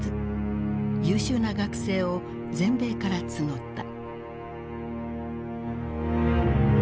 優秀な学生を全米から募った。